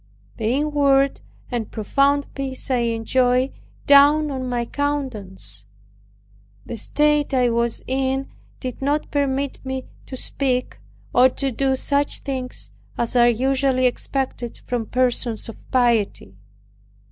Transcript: The inward and profound peace I enjoyed dawned on my countenance. The state I was in did not permit me to speak, or to do such things as are usually expected from persons of piety.